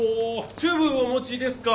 チューブお持ちですか？